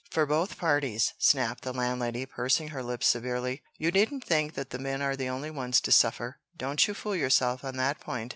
"For both parties!" snapped the Landlady, pursing her lips severely. "You needn't think that the men are the only ones to suffer don't you fool yourself on that point."